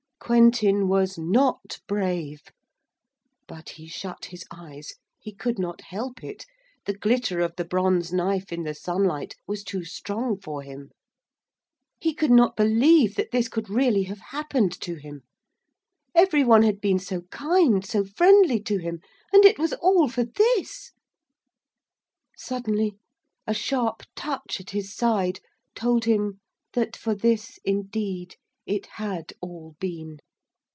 Quentin was not brave. But he shut his eyes. He could not help it. The glitter of the bronze knife in the sunlight was too strong for him. He could not believe that this could really have happened to him. Every one had been so kind so friendly to him. And it was all for this! Suddenly a sharp touch at his side told him that for this, indeed, it had all been.